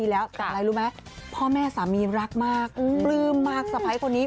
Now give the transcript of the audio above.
แล้วอะไรรู้มั้ยพ่อแม่สามีรักมากบลืมมากสภัยคนนี้